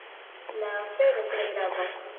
La afero tre gravas.